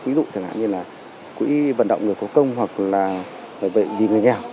ví dụ chẳng hạn như là quỹ vận động người có công hoặc là bệnh viên người nghèo